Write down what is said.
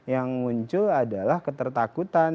yang muncul adalah ketertakutan